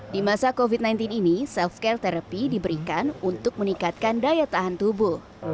di masa covid sembilan belas ini self care therapy diberikan untuk meningkatkan daya tahan tubuh